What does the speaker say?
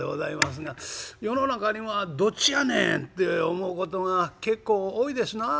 世の中にはどっちやねんって思うことが結構多いですなあ。